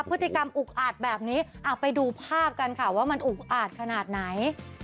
พฤติกรรมอุกอาจแบบนี้ไปดูภาพกันค่ะว่ามันอุกอาดขนาดไหน